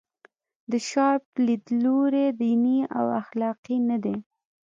د شارپ لیدلوری دیني او اخلاقي نه دی.